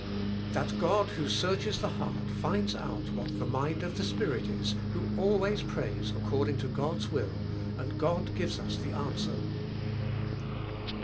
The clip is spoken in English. That God who searches the heart finds out what the mind of the Spirit is who always prays according to God's will and God gives us the answer.